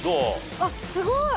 あっすごい！